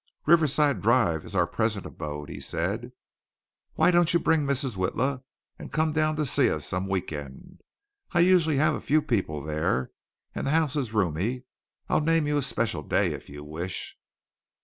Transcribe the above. "Riverside Drive is our present abode," he said. "Why don't you bring Mrs. Witla and come down to see us some week end? I usually have a few people there, and the house is roomy. I'll name you a special day if you wish."